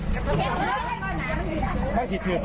เกี่ยวกับทางภาษาที่ดีนะครับ